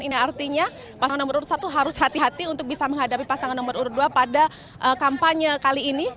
ini artinya pasangan nomor urut satu harus hati hati untuk bisa menghadapi pasangan nomor urut dua pada kampanye kali ini